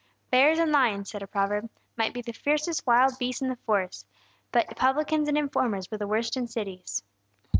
"Bears and lions," said a proverb, "might be the fiercest wild beasts in the forests; but publicans and informers were the worst in cities."